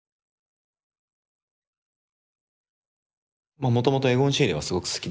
まあもともとエゴン・シーレはすごく好きで。